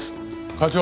課長。